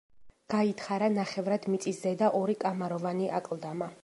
გაითხარა ნახევრად მიწისზედა ორი კამაროვანი აკლდამა.